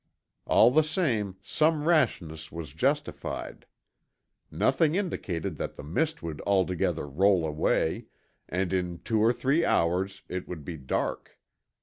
All the same, some rashness was justified. Nothing indicated that the mist would altogether roll away, and in two or three hours it would be dark.